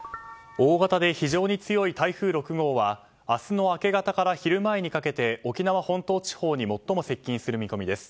大型で非常に強い台風６号は明日の明け方から昼前にかけて沖縄本島地方に最も接近する見込みです。